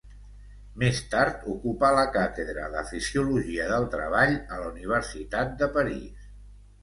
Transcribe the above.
Més tard ocupà la càtedra de fisiologia del treball a la universitat de París.